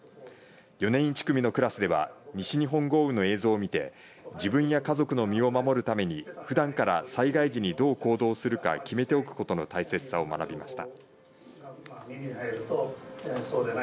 ４年１組のクラスでは西日本豪雨の映像を見て自分や家族の身を守るためにふだんから災害時にどう行動するか決めておくことの大切さを学びました。